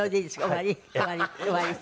終わり終わり。